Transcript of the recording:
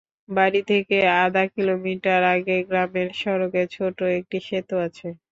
বাড়ি থেকে আধা কিলোমিটার আগে গ্রামের সড়কে ছোট একটি সেতু আছে।